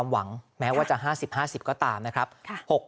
เหมือนทุกข์